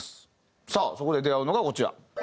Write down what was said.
さあそこで出会うのがこちら。